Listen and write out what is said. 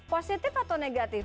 positif atau negatif